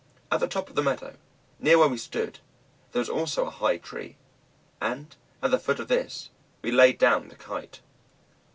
At the top of the meadow, near where we stood, there was also a high tree, and at the foot of this we laid down the Kite.